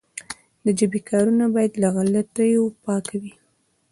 د ژبي کارونه باید له غلطیو پاکه وي.